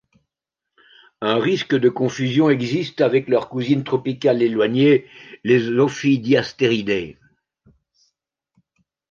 Un risque de confusion existe avec leurs cousines tropicales éloignées les Ophidiasteridae.